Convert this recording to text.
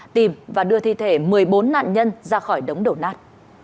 tìm và đưa thi thể một mươi bốn nạn nhân ra khỏi đống đổ nát